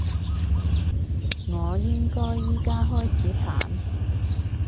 我應該而家開始彈？